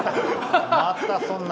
また、そんな！